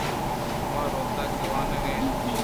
ما روتاکے وانگ ءَ اَت ایں۔